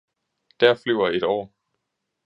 Der flyver et år!